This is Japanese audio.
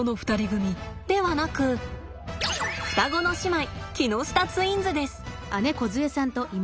ではなく双子の姉妹木下ツインズです。